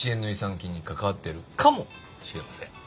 金に関わってるかもしれません。